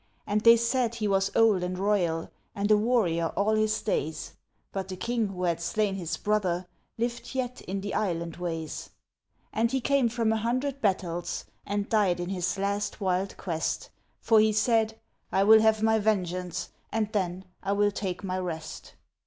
And they said he was old and royal, and a warrior all his days, But the king who had slain his brother lived yet in the island ways. And he came from a hundred battles, and died in his last wild quest, For he said, "I will have my vengeance, and then I will take my rest."